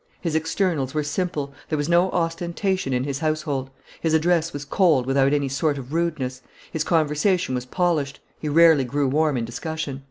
His externals were simple, there was no ostentation in his household; his address was cold without any sort of rudeness, his conversation was polished, he rarely grew warm in discussion."